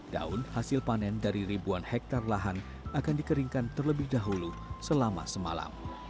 daun hasil panen dari ribuan hektare lahan akan dikeringkan terlebih dahulu selama semalam